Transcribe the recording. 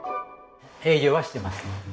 営業はしてません。